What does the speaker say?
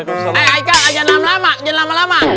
hei aika jangan lama lama jangan lama lama